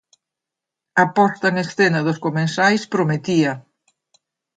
A posta en escena dos comensais prometía.